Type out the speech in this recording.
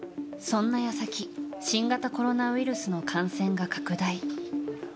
そんな矢先新型コロナウイルスの感染が拡大。